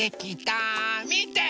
みて！